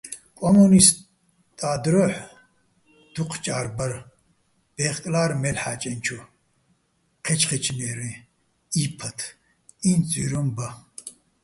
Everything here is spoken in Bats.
კო́მუნისტა́ დროჰ̦ დუჴ ჭა́რ ბარ, ბე́ხკლა́რ მელ'ჰ̦ა́ჭენჩო, ჴეჩჴეჩნაჲრეჼ, ი́ფათ, ინც ძვიროჼ ბა.